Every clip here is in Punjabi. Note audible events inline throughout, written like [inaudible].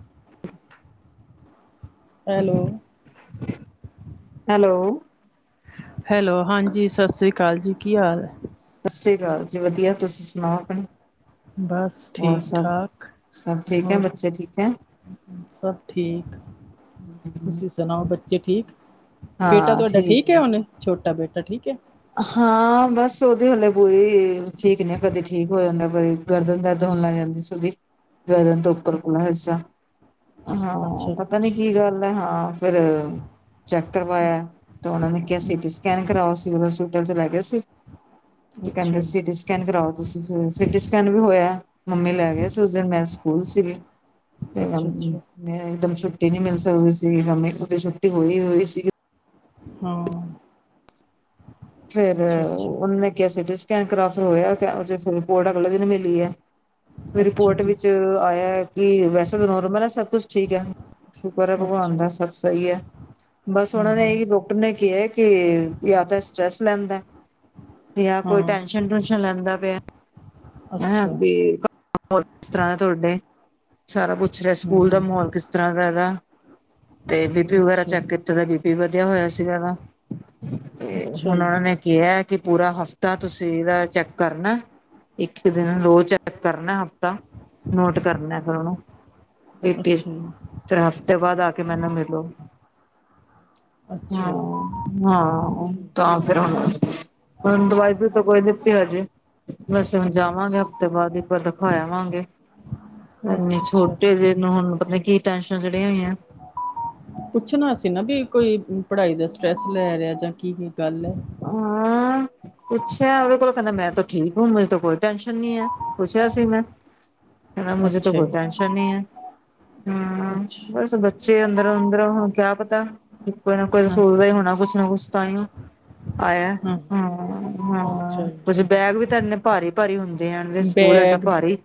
[inaudible] ਐਲੋ। ਹੈਲੋ। ਹੈਲੋ ਹਾਂਜੀ ਸ ਸ੍ਰੀ ਕਾਲ ਜੀ, ਕੀ ਹਾਲ ਐ? ਸ ਸ੍ਰੀ ਕਾਲ ਜੀ ਵਧੀਆ, ਤੁਸੀਂ ਸੁਣਾਓ ਅਪਣਾ? ਬਸ ਠੀਕ ਠਾਕ ਸਭ ਠੀਕ ਹੈ ਹੋਰ? ਬੱਚੇ ਠੀਕ ਹੈ? ਸਭ ਠੀਕ। ਤੁਸੀਂ ਸੁਣਾਓ ਬੱਚੇ ਠੀਕ, ਬੇਟਾ ਤੁਆਡਾ ਠੀਕ ਹੈ ਹੁਣ? ਛੋਟਾ ਬੇਟਾ ਠੀਕ ਏ? ਹਾਂ ਬਸ ਉਹਦੀ ਹਲੇ ਪੂਰੀ ਠੀਕ ਨਹੀਂ, ਕਦੇ ਠੀਕ ਹੋ ਜਾਂਦਾ ਬਈ ਗਰਦਨ ਦਰਦ ਹੋਣ ਲੱਗ ਜਾਂਦੀ ਸੀ ਉਹਦੀ, ਗਰਦਨ ਤੋਂ ਉਪਰ ਪੂਰਾ ਹਿੱਸਾ। ਹਾਂ ਅੱਛਾ ਪਤਾ ਨੀ ਕੀ ਗੱਲ ਐ ਹਾਂ। ਫਿਰ ਚੈੱਕ ਕਰਵਾਏਆ ਏ ਤੇ ਉਹਨਾਂ ਨੇ ਕੇਹਾ ਸੀਟੀ ਸਕੈਨ ਕਰਾਓ। ਬ ਸੂਟਲ ਚ ਲੈ ਗਏ ਸੀ। [inaudible] ਤੇ ਕੇਹੰਦੇ ਸਿਟੀ ਸਕੈਨ ਕਰਾਉ ਤੁਸੀਂ ਸਵੇ, ਸਿਟੀ ਸਕੈਨ ਵੀ ਹੋਏਆ। ਮੰਮੀ ਲੈ ਗਏ ਸੀ ਉਸ ਦਿਨ, ਮੈਂ ਸਕੂਲ ਸੀਗੇ ਤੇ ਅੱਛਾ ਅੱਛਾ ਅਮ ਅੱਛਾ ਮੈਂ ਇੱਕਦਮ ਛੁੱਟੀ ਨਈ ਮਿਲ ਸਕਦੀ ਸੀਗੀ ਮੰਮੀ ਉਹਦੀ ਛੁੱਟੀ ਹੋਈ-ਹੋਈ ਸੀਗੀ। ਹਾਂ। ਫੇਰ ਅੱਛਾ ਅੱਛਾ ਉਹਨਾਂ ਨੇ ਕੇਹਾ ਸੀਟੀ ਸਕੈਨ ਕਰਾਓ ਫ ਹੋਏਆ ਤੇ ਅਸੀਂ ਸ ਰਿਪੋਰਟ ਅਗਲੇ ਦਿਨ ਮਿਲੀ ਐ। ਵੀ ਅੱਛਾ ਰਿਪੋਰਟ ਜੀ ਵਿੱਚ ਆਏਆ ਏ ਕਿ ਵੈਸੇ ਤਾ ਨੋਰਮਲ ਏ, ਸਭ ਕੁਛ ਠੀਕ ਹੈ। ਸ਼ੁਕਰ ਐ ਭਗਵਾਨ ਅੱਛਾ ਦਾ ਸਭ ਸਈ ਐ, ਬਸ ਹਾਂ ਉਹਨਾਂ ਹਾਂ ਨੇ ਏਹੀ ਲੋ ਉਹਨੇ ਕੇਆ ਕਿ ਯਾ ਤਾਂ ਸਟਰ੍ਰੈਸ ਲੈਂਦਾ ਏ। ਯਾ ਕੋਈ ਹਾਂ ਟੈਂਸ਼ਨ ਟੁੰਸ਼ਨ ਲੈਂਦਾ ਪੇਆ। ਹੈਂ ਅੱਛਾ ਬੀ [unintelligible] ਹੋਰ ਕਿਸ ਤਰ੍ਹਾਂ ਦੇ ਤੁਹਾਡੇ? ਸਾਰਾ ਪੁੱਛ ਰਏ ਹਮ ਸਕੂਲ ਦਾ ਮਹੌਲ ਹਮ ਕਿਸ ਤਰਾਂ ਦਾ ਏਹਦਾ? ਤੇ ਬੀਪੀ ਵਗੈਰਾ ਅੱਛਾ ਚੈੱਕ ਕੀਤਾ ਦਾ ਬੀ ਪੀ ਵਧੀਆ ਹੋਏਆ ਸੀਗਾ ਏਹਦਾ। ਤੇ ਹੁਣ ਅੱਛਾ ਜੀ ਉਹਨਾਂ ਨੇ ਕੇਆ ਕਿ ਪੂਰਾ ਹਫ਼ਤਾ ਤੁਸੀਂ ਏਹਦਾ ਚੈੱਕ ਕਰਨਾ ਏ। ਇੱਕੀ ਦਿਨ ਰੋਜ਼ ਚੈੱਕ ਕਰਨਾ ਏ ਹਫ਼ਤਾ, ਨੋਟ ਕਰਨਾ ਏ ਫੇਰ ਉਹਨੂੰ। ਬੀਪੀ, ਅੱਛਾ ਜੀ ਫਿਰ ਹਫ਼ਤੇ ਬਾਅਦ ਆ ਕੇ ਮੈਨੂੰ ਮਿਲੋ। [inaudible] ਹਾਂ, ਜੀ ਹਾਂ ਠੀਕ ਤਾਂ ਫਿਰ ਹੁਣ ਹੁਣ ਦਵਾਈ ਦੂਵੀਈ ਤੋਂ ਕੋਈ ਦਿੱਤੀ ਹਜੇ। ਵੈਸੇ ਹੁਣ ਜਾਵਾਂਗੇ ਹਫ਼ਤੇ ਬਾਅਦ, ਇੱਕ ਵਾਰ ਦਿਖਾ ਆਵਾਂਗੇ। ਏਨੇ ਅੱਛਾ ਅੱਛਾ ਛੋਟੇ ਜੇ ਨੂੰ ਹੁਣ ਪਤਾ ਨੀ ਕੀ ਟੈਸ਼ਨ ਚੜੀਆਂ ਹੋਈਆਂ ਏ? ਪੁੱਛਣਾ ਸੀ ਨਾ ਬੀ ਕੋਈ ਪੜ੍ਹਾਈ ਦਾ ਸਟਰੈੱਸ ਲੈ ਰੇਆ ਜਾਂ ਕੀ-ਕੀ ਗੱਲ ਐ? ਹਾਂ। ਪੁੱਛੇਆ ਉਹਦੇ ਕੋਲੋਂ ਕੇਹੰਦਾ ਮੈਂ ਤੋਂ ਠੀਕ ਹੂੰ, ਮੇਰੀ ਤੋਂ ਕੋਈ ਟੈਸ਼ਨ ਨਈ ਹੈ, ਪੁੱਛੇਆ ਸੀ ਮੈਂ। ਕੇਂਦਾ ਮੁਝੇ ਤੋਂ ਅੱਛਾ ਕੋਈ ਜੀ ਟੈਂਨਸ਼ਨ ਨਈ ਹੈ। ਹਮ ਅੱਛਾ ਬਸ ਬੱ ਚੇ ਅੰਦਰੋ-ਅੰਦਰੋ ਹੁਣ ਕੇਆ ਪਤਾ, ਕੋਈ ਨਾ ਕੋਈ ਤਾਂ ਹਾਂ ਸੋਚਦਾ ਹੀ ਹੋਣਾ ਕੁਛ ਨਾ ਕੁਛ ਤਾਂਈਓ। ਆਏਆ ਹਾਂ ਹਮ, ਹਮ। ਅੱਛਾ ਜੀ? ਜੀ ਬੈਗ ਵੀ ਤਾ ਨੇ ਭਾਰੀ-ਭਾਰੀ ਹੁੰਦੇ ਆ [unintelligible] ਸਕੂਲ ਐਡਾ ਬੈਗ ਭਾਰੀ,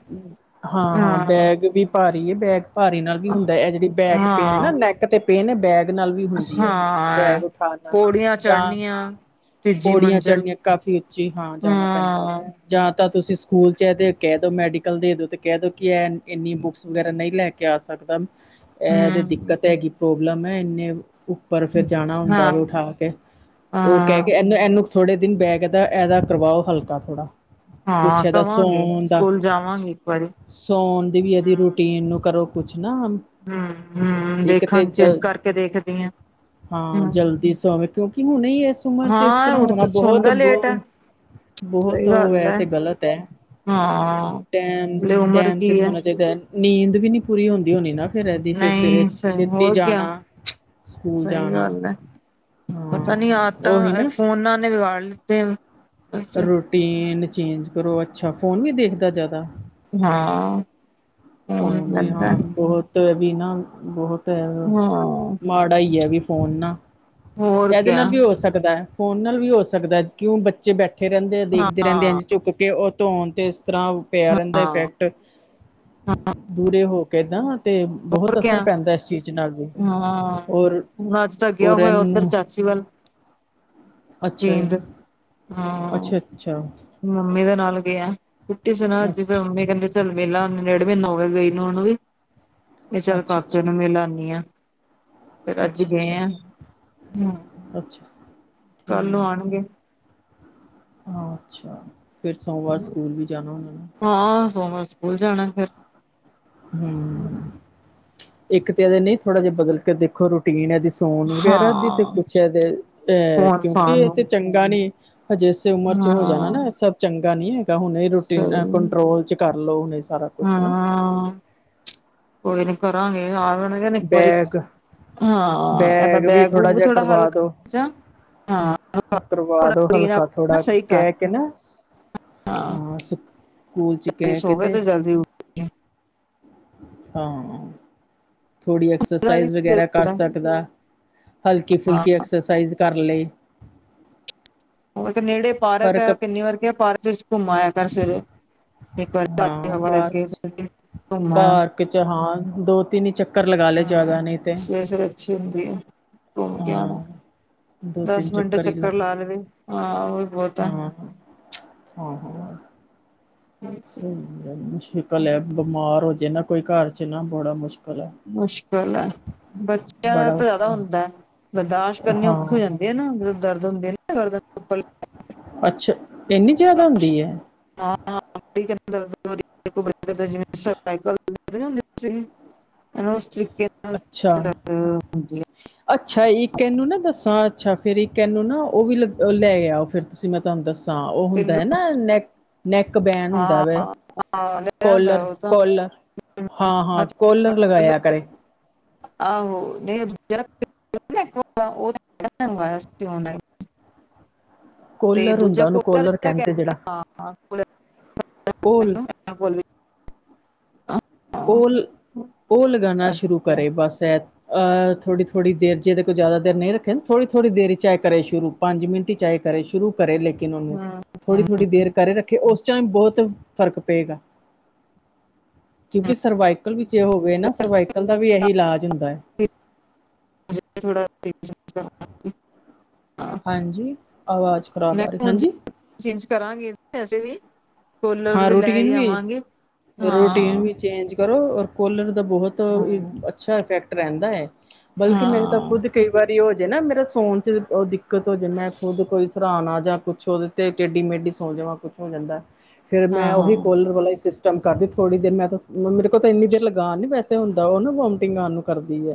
ਹਾਂ। ਭਾਰੀ ਏ ਬੈਗ ਭਾਰੀ ਨਾਲ ਵੀ ਹੁੰਦਾ ਏ ਐ ਜੇੜੀ ਬੈਕ ਪੇਨ ਨਾ ਹਾਂ, ਨੈਕ ਤੇ ਪੇਨ ਨਾ ਬੈਗ ਨਾਲ ਵੀ ਹੁੰਦੀ ਐ, ਹਾਂ। ਬੈਗ ਉਠਾਣਾ, ਪੌੜੀਆਂ ਜਾਂ ਚੜ੍ਹਨੀਆਂ ਤੀਜੀ ਪੋੜੀਆਂ ਮੰਜ਼ਿਲ ਚੜਨੀਆਂ ਕਾਫ਼ੀ ਓਚੀ ਹਾਂ ਜਾਣਾ ਪੈਂਦਾ ਹਾਂ, ਵੈ, ਜਾਂ ਤਾਂ ਤੁਸੀਂ ਸ ਕੂਲ ਚ ਏਦੇ ਕੈ ਦੋ ਮੈਡੀਕਲ ਦੇ ਦੋ ਤੇ ਕੈ ਦੋ ਕੇ ਏ ਇਨੀ ਬੁੱਕਸ ਵਗੈਰਾ ਨਈ ਲੈ ਕੇ ਆ ਸਕਦਾ ਐ ਏਦੇ ਹੂੰ, ਦਿੱਕਤ ਹੈਗੀ ਪ੍ਰੋਬਲਮ ਐ ਐਨੇ ਊ ਪਰ ਫਿਰ ਜਾਣਾ ਹੁੰਦਾ ਹਾਂ, ਵੀ ਉਠਾ ਕੇ, ਓ ਕੈ ਹਾਂ। ਕੇ ਐਨੂੰ ਐਨੂੰ ਥੋੜੇ ਦਿਨ ਬੈਗ ਦਾ ਐਦਾ ਕਰਵਾਓ ਹਲਕਾ ਥੋੜਾ। ਕੁਛ ਹਾਂ ਇਹਦਾ ਕਵਾਂਗੇ ਸੌਣ ਦਾ ਸਕੂਲ ਜਾਵਾਂਗੇ ਇਕ ਵਾਰੀ। ਸੌਣ ਦੀ ਵੀ ਏਦੀ ਰੂਟੀਨ ਨੂੰ ਕਰੋ ਕੁਛ ਨਾ। ਹੂੰ-ਹੂੰ ਇੱਕ ਦੇਖਾਂ ਤੇ ਚੇਂਜ ਜਲਦ ਕਰਕੇ ਦੇਖਦੀ ਆਂ। ਹਾਂ ਜਲਦੀ ਸੌਵੇਂ ਕਿਉਂਕਿ ਹੁਣੇ ਇਸ ਉਮਰ ਚ ਇਸ ਹਾਂ ਤਰਾਂ ਉੱਠ ਹੋਣਾ ਤੇ ਬਹੁਤ ਸੌਦਾ ਲੇਟ ਹੈ ਬੋ ਬਹੁਤ ਸਹੀ ਓ ਗੱਲ ਐ ਹੈ ਤੇ ਗਲ ਤੈ, ਹਾਂ ਟੈਮ, ਹਲੇ ਉਮਰ ਟੈਮ ਕੀ ਤੇ ਹੈ ਸੋਣਾ ਚਾਈਦਾ ਨੀਂਦ ਵੀ ਨੀ ਪੂਰੀ ਹੁੰਦੀ ਹੋਣੀ ਨਾ ਫੇਰ ਐਦੀ ਫੇਰ ਸਵੇਰੇ ਨਹੀਂ ਸ ਸਹੀ ਛੇਤੀ ਹੋਰ ਕਿਆ ਜਾਣਾ ਸਕੂਲ ਸਹੀ ਜਾਣਾ। ਗੱਲ ਹੈ ਪਤਾ ਹਾਂ ਨੀ ਉਹੀ ਆਦਤਾਂ ਨਾ ਫੋਨਾਂ ਨੇ ਵੇਗਾ ਲੀਤੀ ਰੂਟੀਨ ਚੇਂਜ ਕਰੋ ਅੱਛਾ ਫੂਨ ਨੀ ਦੇਖਦਾ ਜਾਦਾ? ਹਾਂ ਫੋਨ ਫੂਨ ਵੀ ਲੈਂਦਾ ਹਾਂ ਬਹੋ [unintelligible] ਵੀ ਨਾ ਬਹੁਤ ਐ, ਹਾਂ ਮਾੜਾ ਈ ਐ ਵੀ ਫੋਨ ਨਾ। ਹੋਰ ਐਦੇ ਕਿਆ ਨਾਲ ਵੀ ਹੋ ਸਕਦਾ ਐ, ਫੋਨ ਨਾਲ ਵੀ ਹੋ ਸਕਦਾ ਐ, ਕਿਉਂ ਬੱਚੇ ਬੈ ਬੈਠੇ ਰੈਂਦੇ ਹਾਂ ਦੇਖਦੇ ਰੈਂਦੇ ਆ ਇੰਝ ਝੁੱਕ ਕੇ ਓ ਧੋਣ ਤੇ ਇਸ ਤਰਾਂ ਪੇਆ ਰੈਂਦਾ ਹਾਂ ਈਫੈ ਕਟ ਦੂਊਰੇ ਹੋ ਕੇ ਏਦਾਂ ਤੇ ਹੋਰ ਬਹੁਤ ਕਿਆ ਅਸਰ ਪੈਂਦਾ ਇਸ ਚੀ ਜ਼ ਨਾਲ ਵੀ, ਹਾਂ ਔਰ ਹੁਣ ਅੱਜ ਤਾਂ ਗਿਆ ਔਰ ਹੋਇਆ ਉੱਧਰ ਰੈਨੂੰ ਚਾਚੀ ਵੱਲ ਅੱਛਾ ਜੀ। ਜੀਂਦ ਹਾਂ ਅੱਛਾ-ਅੱਛਾ। ਮੰਮੀ ਦੇ ਨਾਲ ਗੇਆ ਛੁੱਟੀ ਸੀ ਨਾ ਅੱਛਾ ਅੱਜ ਫਿਰ ਮੰਮੀ ਕੈਂਦੇ ਚਲੋ ਮਿਲ ਔਨੇ ਡੇਢ ਮੀਨਾ ਹੋ ਗਈ ਨੂੰ ਓਨੂੰ ਵੀ। ਵੀ ਚੱਲ ਅੱਛਾ ਕਾਕੇ ਅੱਛਾ ਨੂੰ ਮਿਲ ਆਨੀ ਆ। ਫਿਰ ਅੱਜ ਅੱਛਾ ਅੱਛਾ ਗਏਂ ਆਂ, ਹੂੰ, ਅੱਛਾ ਕੱਲ ਨੂੰ ਠੀਕ ਹੈ ਆਣਗੇ। ਅੱਛਾ, ਫੇਰ ਸੋਮਵਾਰ ਸਕੂਲ ਵੀ ਜਾਨਾ ਓਨਾਂ ਨੇ। ਹਾਂ ਸੋਮਵਾਰ ਸ ਕੂਲ ਜਾਣਾ ਫੇਰ। ਹੂੰ, ਇਕ ਤੇ ਐਦੇ ਨੀ ਥੋੜਾ ਜਾ ਬਦਲ ਕੇ ਦੇਖੋ ਰੂਟੀਨ ਐਦੀ ਸ ਫੋਨ ਵਗੈਰਾ ਦੀ ਤੇ ਹਾਂ ਕੁਛ ਐਦੇ, ਐ ਫੋਨ ਕਿਉਂਕੀ ਫਾਨ ਏ ਨੂੰ ਤੇ ਚੰ ਚੰਗਾ ਨੀ, ਹਜੇੇ ਇਸੇ ਉਮਰ ਚ ਹੋ ਜਾਣਾ ਹਾਂ ਨਾ ਸਭ ਚੰਗਾ ਨੀ ਹੈਗਾ ਹੁਣੇ ਈ ਰੂਟੀ ਸਹੀ ਕੰਟਰੋਲ ਚ ਕਰ ਲੋ ਹੁਨ ਸਾਰਾ ਕੁਛ ਨਾ। ਹਾਂ ਕੋਈ ਨੀ ਕਰਾਂਗੇ ਆ [unintelligible] ਇਕ ਵਾਰੀ। ਬੈਗ ਹਾਂ, ਐਦਾ ਬੈਗ-ਬੂਗ ਵੀ ਥੋੜਾ ਹਲ [unintelligible] ਆ ਕਰਵਾ ਦੋ ਹਲਕਾ ਆਪਣਾ ਥੋੜਾ, ਸਹੀ ਕਰ ਕੈ ਕੇ ਨਾ ਹਾਂ, ਸਾ, ਕੂਲ ਚ ਕੈ ਕੇ ਸੋਵੇ ਤੇ ਜਲਦੀ ਉੱਠ ਹਾਂ। ਥੋੜੀ ਐਕਸਸਾਈਜ਼ ਵਗੈਰਾ ਕਰ ਸਕਦਾ, ਹਾਂ ਹਲਕੀ-ਫੁਲਕੀ ਐਕਸਸਾਈਜ਼ ਕਰ ਲੇ। ਓ ਤੇ ਨੇੜੇ ਪਾਰਕ ਫ਼ਰਕ ਐ ਕਿੰਨੀ ਵਾਰ ਕੇਆ ਪਾਰਕ ਵਿੱਚ ਘੁੰਮ ਆਏਆ ਕਰ ਸਵੇਰੇ। ਇੱਕ ਵਾਰ ਤਾਜੀ ਹਾਂ ਹਵਾ ਲੈ ਕੇ ਘੁੰਮ ਇੱਕ ਚ ਹਾਂ ਦੋ ਤਿੰਨ ਈ ਚਕ ਹਾਂ, ਸਵੇਰੇ-ਸਵੇਰੇ ਅੱਛੀ ਹੁੰਦੀ ਐ, ਘੁੰਮ ਕੇ ਆਨਾ ਹਾਂ ਦੋ ਤਿੰਨ ਦਸ ਮਿੰਟ ਹੀ ਚੱਕਰ ਲਗਾ ਲਾ ਲਵੇ ਹਾਂ। ਓਹ ਵੀ ਬਹੁਤਾ ਆ ਹਾਂ ਸਈ ਹੈ, ਮੁਸ਼ਕਿਲ ਹੈ, ਬੀਮਾਰ ਹੋ ਜੇ ਨਾ ਕੋਈ ਘਰ ਚ ਨਾ ਬੜਾ ਮੁਸ਼ਕ ਮੁਸ਼ਕਲ ਐ‌। ਬੱਚਿਆਂ ਦਾ ਬੜਾ ਤਾਂ ਜਿਆਦਾ ਔਖਾ ਹੁੰਦੈ, ਬਰਦਾਸ਼ਤ ਕਰਨੀ ਔਖੀ ਹੋ ਹਾਂ ਜਾਂਦੀ। ਏਹ ਨਾ ਜਦੋਂ ਦਰਦ ਹੁੰਦੇ ਆ ਨਾ ਦਰਦ ਅੱਛਾ, ਐਨੀ ਜਿਆਦਾ ਹੁੰਦੀ ਐ? ਹਾਂ [unintelligible] [unintelligible] ਅੱਛਾ ਦਰਦ ਹੁੰਦੀ ਅੱਛਾ, ਇੱਕ ਐਨੂੰ ਨਾ ਦੱਸਾਂ ਅੱਛਾ ਫਿਰ ਇੱਕ ਐਨੂੰ ਨਾ ਓਹ ਵੀ ਲ ਲੈ ਆ ਫਿਰ ਤੁਸੀਂ ਮੈਂ ਤੁਹਾਨੂੰ ਦੱਸ ਤਾਂ ਓਹ ਹੈ ਹੁੰਦਾ ਐ ਨਾ ਨੈਕ-ਨੈਕ ਬੈਨ ਹੁੰਦਾ ਵੈ [unintelligible] ਉਹ ਕੋਲਰ-ਕੋਲਰ ਤਾਂ ਹਾਂ-ਹਾਂ ਕੋਲਰ ਲਗਾਇਆ ਕਰੇ। ਆਹੋ, ਨਈ ਓਹ ਦੂਜੇ ਨਾ [unintelligible] ਓਹ ਮੰਗਾਇਆ ਸੀ ਓਨਲਾਈਨ ਕੋਲਰ ਹੁੰਦੈ ਦੂਜਾ ਓਹਨੂੰ ਕੂਲਰ ਕੋਲਰ ਜਿਹੜਾ ਕਹਿ ਕਹਿੰਦੇ ਜੇਹੜਾ ਹਾਂ। ਕੁਲ ਕੂਲ [unintelligible] ਓਲ ਓ ਲਗਾਨਾ ਸ਼ੁਰੂ ਅੱਛਾ ਕਰੇ ਬਸ ਐ ਐਹ ਥੋੜੀ-ਥੋੜੀ ਦੇਰ ਜੇਹੜੇ ਕੋਈ ਜ਼ਿਆਦਾ ਦੇਰ ਨਹੀਂ ਰੱਖੇ ਨਾ, ਥੋੜੀ-ਥੋੜੀ ਦੇਰ ਚ ਐ ਕਰੇ ਸ਼ੁਰੂ ਪੰਜ ਮਿੰਟ ਈ ਚਾਹੇ ਕਰੇ ਸ਼ੁਰੂ ਕਰੇ ਲੇਕਨ ਨੂੰ ਹਾਂ ਥੋੜ੍ਹੀ-ਥੋੜ੍ਹੀ ਦੇਰ ਕਰੇ ਰੱਖੇ ਓਸ ਚ ਐਨੂੰ ਬੋਤ ਫ਼ਰਕ ਪਏਗਾ। ਕਿਓਂਕਿ ਸਰਵਾਈਕਲ ਵਿੱਚ ਹੋਵੇ ਨਾ ਸਰਵਾਈਕਲ ਦਾ ਵੀ ਐਹੀ ਇਲਾਜ ਹੁੰਦੈ। [inaudible] ਹਾਂਜੀ, ਆਵਾਜ਼ ਖਰਾਬ ਮੈਂ ਆ ਰਈ, ਉਂਝ ਹਾਂਜੀ ਚੇਂਜ ਕਰਾਂਗੀ, ਵੈਸੇ ਵੀ ਕੋਲਰ ਹਾਂ ਵੀ ਲੈ ਈ ਰੂਟੀਨ ਵੀ ਆਵਾਂਗੀ, ਰੂਟੀਨ ਹਾਂ ਵੀ ਚੇਂਜ ਕਰੋ, ਔਰ ਕੋਲਰ ਦਾ ਬਹੋਤ ਹਾਂ ਅੱਛਾ ਇਫੈਕਟ ਰਹਿੰਦਾ ਐ। ਹਾਂ ਬਲਕਿ ਮੇਰੇ ਤਾਂ ਖੁਦ ਕਈ ਵਾਰੀ ਹੋ ਜੇ ਨਾ ਮੇਰਾ ਸੋਣ ਚ ਓਹ ਦਿੱਕਤ ਹੋ ਜੇ, ਮੈਂ ਖੁਦ ਕੋਈ ਸਰਾਣਾ ਜਾਂ ਕੁਛ ਓਹਦੇ ਤੇ ਟੇਡੀ-ਮੇਡੀ ਸੌਂ ਜਾਵਾਂ ਕੁਛ ਹੋ ਜਾਂਦੈ, ਫੇਰ ਮੈਂ ਹਾਂ ਓਹੀ ਕੋਲਰ ਵਾਲਾ ਹੀ ਸਿਸ [unintelligible] ਕਰਦੀ ਥੋੜ੍ਹੀ ਦੇਰ ਮੈਂ ਤਾਂ ਮੇਰੇ ਕੋਲ ਤੇ ਐਨੀ ਦੇਰ ਲਗਾਨ ਨੀ ਵੈਸੇ ਹੁੰਦਾ, ਓਹ ਨਾ ਵੋਮਟਿੰਗ ਆਉਣ ਨੂੰ ਕਰਦੀ ਏ।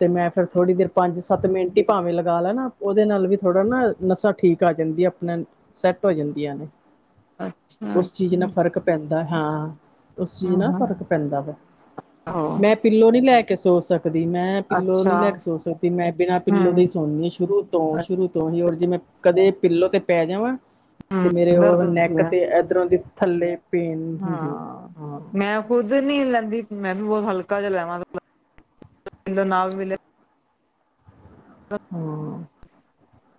ਤੇ ਮੈਂ ਫੇਰ ਥੋੜ੍ਹੀ ਦੇਰ ਪੰਜ-ਸੱਤ ਮਿੰਟ ਹੀ ਭਾਵੇਂ ਲਗਾ ਲਾ ਨਾ ਓਹਦੇ ਨਾਲ ਵੀ ਥੋੜਾ ਨਾ ਨਸਾਂ ਠੀਕ ਆ ਜਾਂਦੀਆਂ, ਆਪਣਾ ਸੈਟ ਹੋ ਜਾਂਦੀਆਂ ਨੇ। [inaudible] ਉਸ ਚੀਜ ਨਾਲ ਅੱਛਾ ਫ਼ਰਕ ਪੈਂਦੈ, ਹਾਂ, ਉਸ ਚੀਜ ਹਾਂ ਨਾਲ ਫ਼ਰਕ ਪੈਂਦਾ ਵਾ, ਹਾਂ ਮੈਂ ਪਿੱਲੋਂ ਨੀ ਲੈ ਕੇ ਸੋ ਸਕਦੀ ਕਦੀ ਮੈਂ ਪਿੱਲੋ ਅੱਛਾ ਨੀ ਲੈ ਕੇ ਸੋ ਸਕਦੀ। ਮੈਂ ਬਿਨਾਂ ਪਿੱਲੋ ਦੇ ਈ ਸੌਨੀ ਆਂ ਸ਼ੁਰੂ ਤ ਤੋਂ ਸ਼ੁਰੂ ਤੋਂ ਹੀ ਔਰ ਜੇ ਮੈਂ ਕਦੇ ਪਿੱਲੋ ਤੇ ਪੈ ਜਾਵਾਂ ਹਮ ਤੇ ਮੇਰੇ ਓਹ ਦਰਦ ਹੁੰਦੀ ਨੈਕ ਹੈ ਤੇ ਇਦਰੋਂ ਦੀ ਥੱਲੇ ਪੇਨ ਹੁੰਦੀ ਐ, ਹਾਂ। ਖੁੱਦ ਨੀ ਲੈਂਦੀ ਮੈਨੂੰ ਬੋਤ ਹਲਕਾ ਜਿਹਾ ਲੈਣਾ [unintelligible] ਮਿਲੇ ਨਾ ਮਿਲੇ ਹੁੰ।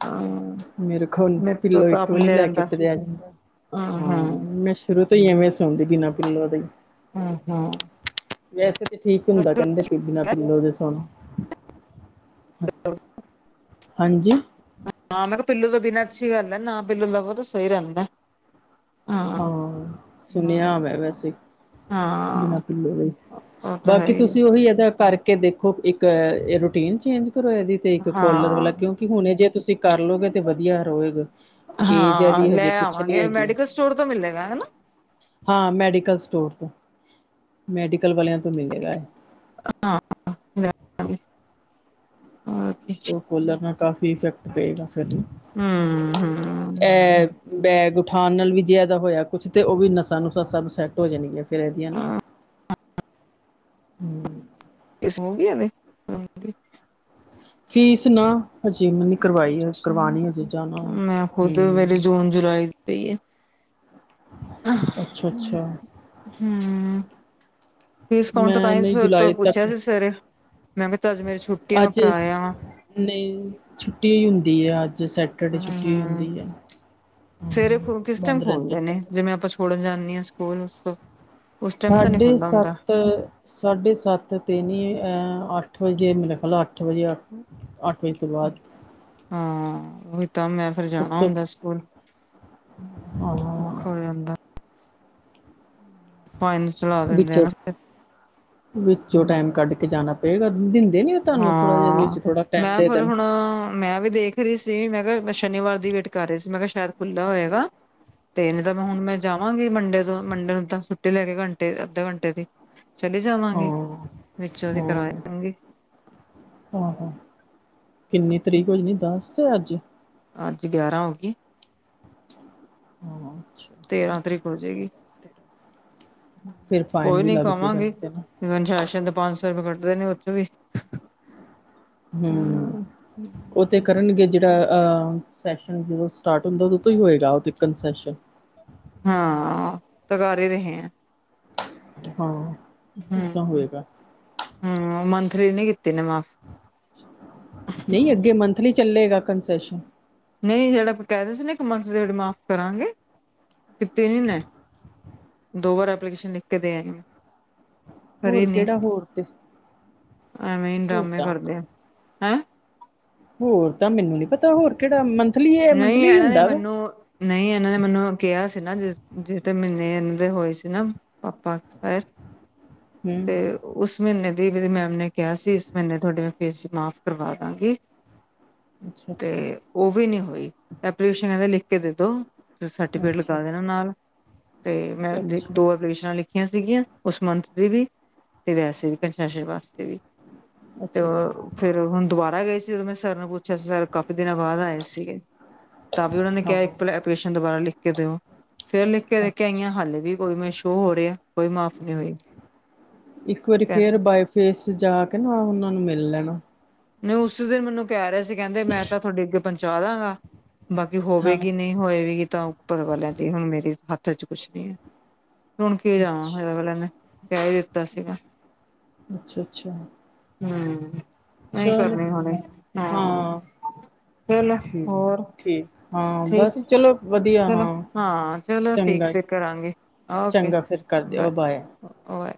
ਹਾਂ ਮੇਰੇ ਕੋਲ ਮੇਰੇ ਤੋਂ ਪਿੱਲੋ ਤਾਂ ਇੱਕ ਆਪ ਵੀ ਨੀ ਲਿਆ ਲੈ ਕੇ ਜਾਂਦਾ ਪਿਆ ਜਾਂਦਾ। ਹਾਂ, ਮੈਂ ਸ਼ ਸ਼ੁਰੂ ਤੋਂ ਹੀ ਐਵੇਂ ਸੋਂਦੀ ਬਿਨਾਂ ਪਿਲੋ ਦੇ ਹੀ ਹਾਂ- ਹਾਂ। ਵੈਸੇ ਤਾਂ ਠੀਕ ਹੁੰਦਾ। ਕਹਿੰਦੇ ਬਿਨਾ ਪਿੱਲੋ ਦੇ ਸੋਣਾ। ਹਾਂਜੀ। ਹਾਂ ਮੈਂ ਕਿਹਾ ਪਿੱਲੌ ਤੋਂ ਬਿਨਾਂ ਅੱਛੀ ਗੱਲ ਹੈ ਨਾ ਪਿੱਲੂ ਲਵੋ ਤਾਂ ਸਹੀ ਰਹਿੰਦਾ। ਹਾਂ ਸੁਣਿਆ ਹਾਂ ਵੈਂ ਵੈਸੇ। ਬਿਨਾਂ ਹਾਂ ਪਿੱਲੋ ਦੇ ਉਹ ਤਾਂ ਹੈ ਬਾਕੀ ਹੀ ਤੁਸੀਂ ਉਹੀ ਇਹਏਦਾ ਕਰਕੇ। ਕੇ ਦੇਖੋ ਇੱਕ ਰੂਟੀਨ ਚੇਂਜ ਕਰੋ ਇਹਦੀ। ਤੇ ਇੱਕ ਕੋਲਰ ਵਾਲਾ ਹਾਂ ਕਿਉਂਕਿ ਹੁਣੇ ਜੇ ਤੁਸੀਂ ਕਰ ਲੋਗੇ ਤੇ ਵਧੀਆ ਰਹੋਗੇ। ਏਜ ਹਜੇ ਏਦੀ ਕੁਛ ਨੀ ਹੈਗੀ। ਚੋੜ ਤੋਂ ਮਿਲੇਗਾ ਹਨਾ। ਹਾਂ ਮੈਡੀਕਲ ਸਟੋਰ ਤੋਂ, ਮੈਡੀਕਲ ਵਾਲਿਆਂ ਤੋਂ ਮਿਲੇਗਾ ਇਹ ਹਾਂ ਜਾ ਓਕੇ। ਉਹ ਕਲਰ ਨਾਲ ਕਾਫ਼ੀ ਇਫੈਕਟ ਪਏਗਾ। ਫਿਰ ਵੀ ਇਹ ਬੈਗ ਉਠਾਉਣ ਨਾਲ ਵੀ ਜਿਆਦਾ ਹੋਇਆ ਕੁਛ ਤੇ ਉਹ ਵੀ ਨਸਾਂ ਨੂਸਾ ਸਬ ਸੈੱਟ ਹੋ ਜਾਣਗੀਆਂ। ਰਹਿਦੀਆਂ ਨਾ ਹੂੰ ਕਿਸਮ ਵੀ ਇਹਨੇ। ਫੀਸ ਨਾ ਹਜੇ ਮ ਕਰਵਾਈ ਅੱਛਾ ਕਰਵਾਣੀ ਆ ਹਜੇ ਜਾਣਾ ਮੈਂ ਖੁਦ ਹੂੰ ਮੇਰੀ ਜੂਨ ਜੁਲਾਈ ਸਹੀ ਹੈ। ਅੱਛਾ-ਅੱਛਾ। ਹੂੰ ਫੀਸ ਅਕਾਊਂਟ ਵਿੱਚ ਮੈਂ ਪਾਈ ਨਹੀਂ ਤਾਂ ਹੀ ਤੋਂ ਜੁਲਾਈ ਪੁੱਛਿਆ ਤੱਕ ਸੀ ਸਵੇਰੇ ਮੈਂ ਕਿਹਾ ਅੱਜ ਮੇਰੀ ਛੁੱਟੀ ਆ ਮੈਂ ਅੱਜ ਕਰਾਇਆ ਵਾ ਸ ਨਹੀਂ ਛੁੱਟੀ ਹੁੰਦੀ ਆ ਅੱਜ ਸੈੱਟ ਜਿਹੜੀ ਛੁੱਟੀ ਹੁੰਦੀ ਹੂੰ ਆ ਹੀ ਹੈ ਬੰਦ ਰਹਿੰਦੇ ਸਾਰੇ ਫੜਨ ਜਾਂਦੀ ਹਾਂ ਸਕੂਲ ਉਸ ਤੋਂ ਸਾਢੇ ਸੱਤ। ਸਾਢੇ ਸੱਤ 'ਤੇ ਨਹੀਂ ਅ ਅੱਠ ਵਜੇ ਮੇਰਾ ਖਿਆਲ ਅੱਠ ਵਜੇ ਅੱਠ ਅੱਠ ਵਜੇ ਤੋਂ ਬਾਅਦ। ਹਾਂ ਉਈ ਤਾਂ ਮੈ ਫਿਰ ਉਸ ਜਾਣਾ ਤੋਂ ਹੁੰਦਾ ਸਕੂਲ ਹਾਂ ਔਖਾ ਹੋ ਜਾਂਦਾ। ਪਾਣੀ ਵਿੱਚੋਂ-ਵਿੱਚੋ ਫਿਰ ਟਾਈਮ ਕੱਢ ਕੇ ਜਾਣਾ ਪਏਗਾ ਦਿੰਦੇ ਨੀ ਤੁਹਾਨੂੰ ਥੋੜ੍ਹਾ ਜਿਹਾ ਵਿੱਚ ਹਾਂ ਥੋੜਾ ਟਾਈਮ ਮੈਂ ਫਿਰ ਦੇਣ। ਹੁਣ ਮੈਂ ਵੀ ਦੇਖ ਰਹੀ ਸੀ। ਮੈਂ ਕਿਹਾ ਸ਼ਨੀਵਾਰ ਦੀ ਵੇਟ ਕਰ ਰਹੀ ਸੀ ਮੈਂ ਕਿਹਾ ਸ਼ਾਇਦ ਖੁੱਲ੍ਹਾ ਹੋਏਗਾ। ਤੇ ਨਹੀਂ ਤਾਂ ਮੈਂ ਹੁਣ ਮੈਂ ਜਾਵਾਂਗੀ। ਮੰਡੇ ਤੋਂ ਮੰਡੇ ਨੂੰ ਤਾਂ ਛੁੱਟੀ ਲੈ ਕੇ ਘੰਟੇ ਅੱਧੇ ਘੰਟੇ ਦੀ ਚਲੀ ਹਾਂ ਜਾਵਾਂਗੀ ਵਿੱਚੋਂ ਦੀ ਕਰਾ ਆਵਾਗੀ। ਹਾ-ਹਾ ਕਿੰਨੀ ਤਰੀਕ ਹੋ ਜਾਣੀ ਦੱਸ ਅੱਜ ਅੱਜ ਗਿਆਰਾਂ ਹੋ ਗਈ। ਅੱਛਾ ਹਾਂ ਤੇਰਾਂ ਤਰੀਕ ਹੋ ਜਾਏਗੀ। ਫਿਰ ਫਾਈਨ ਕੋਈ ਵੀ ਨੀ ਲੱਗ ਜਾਏਗਾ ਕਵਾਂਗੇ ਨਹੀਂ ਤੇ ਨਾ ਅਨੁਸ਼ਾਸ਼ਨ ਤੇ ਪੰਜ ਸੌ ਰੁਪਏ ਕੱਟਦੇ ਨੇ ਉਹ ਚੋਂ ਵੀ ਹੂੰ ਉਹ ਤੇ ਕਰਨਗੇ ਜਿਹੜਾ ਅਹ ਸੈਸ਼ਨ ਜਦੋਂ ਸਟਾਰਟ ਹੁੰਦਾ ਉਦੋਂ ਤੋਂ ਹੀ ਹੋਏਗਾ ਕਨਸੈਸ਼ਨ ਹਾਂ ਤਾਂ ਕਰ ਹੀ ਰਹੇ ਆ ਹਾਂ ਉਹ ਤਾਂ ਹੋਏਗਾ ਹੂੰ-ਹੂੰ, ਮੰਥਲੀ ਏਨੇ ਕੀਤੇ ਨੇ ਮਾਫ਼। ਨਈਂ ਅੱਗੇ ਮੰਥਲੀ ਚੱਲੇਗਾ ਕੰਨਸੈਸ਼ਨ। ਨਈਂ ਜੇੜਾ ਆਪਾਂ ਕੈਂਦੇ ਸੀ ਨਾ ਇਕ ਮੰਥਲੀ ਮਾਫ਼ ਕਰਾਂਗੇ, ਕੀਤੇ ਨੀ ਓਨੇ। ਦੋ ਵਾਰ ਐਪਲੀਕੇਸ਼ਨ ਲਿਖ ਕੇ ਦੇ ਆਈਆਂ। ਹੋਰ ਕੇੜਾ ਹੋਰ ਤੇ ਐਵੇਂ ਈ ਹੋਰ ਡਰਾਮੇ ਤਾਂ ਕਰਦੇ ਆ, ਹੈਂ ਹੋਰ ਤਾਂ ਮੈਨੂੰ ਨੀ ਪਤਾ ਹੋਰ ਕੇੜਾ ਮੰਥਲੀ ਏ ਮੰਥਲੀ ਈ ਹੁੰਦਾ ਵਾ। ਨਈਂ ਏਨਾਂ ਨੇ ਮੈਨੂੰ ਕਿਆ ਸੀ ਨਾ ਜਿਸ ਜੇੜੇ ਮੀਨੇ ਐਨਾਂ ਦੇ ਹੋਏ ਸੀ ਨਾ ਪਾਪਾ ਐਕਸਪੈਅਰ। ਹੂੰ‌, ਉਸ ਮੀਨੇ ਦੀਪ ਦੀ ਮੈਮ ਨੇ ਕਿਆ ਸੀ ਉਸ ਮੀਨੇ ਥੋਡੇ ਪੇਸੇ ਮਾਫ਼ ਕਰਵਾਦਾਂਗੀ। ਅੱਛਾ ਕੇ ਅੱਛਾ ਓ ਵੀ ਨੀ ਹੋਈ, ਐਪਲੀਕੇਸ਼ਨ ਕੈਂਦੇ ਲਿਖ ਕੇ ਦੇਦੋ। ਫਿਰ ਸਰਟੀਫਿਕੇਟ ਅੱਛਾ ਲਗਾ ਦੇਨਾ ਨਾਲ। ਤੇ ਮੈਂ ਅੱਛਾ ਦੋ ਐਪਲੀਕੇਸ਼ਨਾਂ ਲਿਖਤੀਆਂ ਸੀਗੀਆਂ ਉਸ ਮੰਥ ਦੀ ਵੀ। ਤੇ ਵੈਸੇ ਵੀ ਕਨਸੈਸ਼ਨ ਵਾਸਤੇ ਵੀ, ਤੇ ਅੱਛਾ ਅੱਛਾ ਓ ਫੇਰ ਹੁਨ ਦੁਬਾਰਾ ਗਏ ਸੀ ਓਦੋਂ ਮੈਂ ਸਰ ਨੂੰ ਪੁੱਛੇਆ ਸੀ ਸਰ ਕਾਫੀ ਦਿਨਾਂ ਬਾਦ ਆਏ ਸੀਗੇ। ਤਾਂ ਵੀ ਓਨਾਂ ਨੇ ਕਿਆ ਇੱਕ ਹਾਂ ਐਪਲੀਕੇਸ਼ਨ ਦੁਬਾਰਾ ਲਿਖ ਕੇ ਦੇਓ, ਫੇਰ ਲਿਖ ਕੇ ਦੇਖ ਕੇ ਅੱਛਾ ਆਈਆਂ ਹਾਲੇ ਵੀ ਉਵੇਂ ਸ਼ੋਅ ਹੋ ਰਿਆ, ਕੋਈ ਮਾਫ਼ ਨੀ ਹੋਈ। ਇੱਕ ਵਾਰੀ ਫੇਰ ਬਾਏਫੇਸ਼ ਜਾ ਕੇ ਨਾ ਓਨਾਂ ਨੂੰ ਮਿਲ ਲੈਨਾ। ਨਈਂ ਉਸ ਦਿਨ ਮੈਨੂੰ ਕੈ ਰਿਆ ਸੀ ਕੈਂਦੇ ਮੈਂ ਤਾਂ ਥੋਡੇ ਅੱਗੇ ਪੋਂਚਾ ਦਾਂਗਾ ਬਾਕੀ ਹਾਂ ਹੋਵੇਗੀ ਨੀ ਨਈਂ ਹੋਏਵੀਗੀ ਤਾਂ ਉੱਪਰ ਵਾਲੇਆ ਦੇ ਹੁਨ ਮੇਰੇ ਹੱਥ ਚ ਕੁਛ ਨੀ ਐ। ਸੁਨ ਕੇ ਜਾਵਾਂ ਫਿਰ ਅੱਛਾ ਅਗਲਿਆ ਨੇ ਕੈ ਈ ਦਿੱਤਾ ਸੀਗਾ। ਅੱਛਾ-ਅੱਛਾ। ਹੂੰ। ਨਈਂ ਕਰਨੀ ਹੋਨੀ, ਹਾਂ ਚੱਲ ਠੀਕ ਹੋਰ ਠੀਕ ਹਾਂ ਠੀਕ ਐ, ਬਸ ਚਲੋ ਵਧੀਆ ਚਲੋ ਹਾਂ ਚਲੋ ਠੀਕ ਚੰਗਾ ਫਿਰ ਕਰਾਂਗੇ। ਓਕੇ ਚੰਗਾ ਫਿਰ ਕਰ ਦਿਓ ਬਾਏ